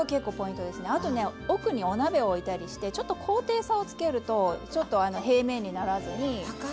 奥にお鍋を置いたりしてちょっと高低差をつけると平面にならずに。